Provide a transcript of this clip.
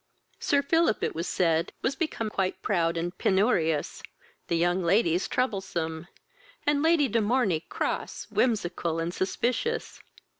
Sir Philip, it was said, was become quite proud and penurious, the young ladies troublesome, and Lady De Morney cross, whimsical, and suspicious.